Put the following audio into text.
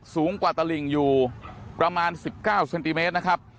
สูงกว่าตลิ่งอยู่ประมาณ๑๙เซนติเมตรนะครับ